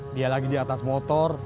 dia lagi di atas motor